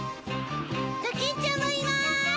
ドキンちゃんもいます！